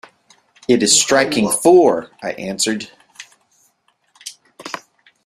‘It is striking four,’ I answered.